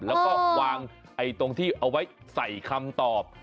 แล้วก็วางตรงที่เอาไว้ใส่คำตอบ